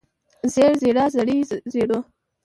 زېړ زېړه زېړې زېړو